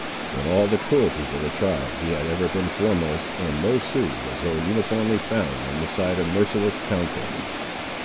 In all the cruelties of the tribe he had ever been foremost; and no Sioux was so uniformly found on the side of merciless councils.